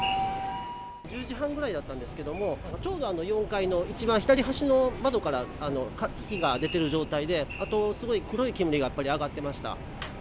１０時半ぐらいだったんですけれども、ちょうど４階の一番左端の窓から火が出てる状態で、あと、すごい黒い煙がやっぱり上がってました。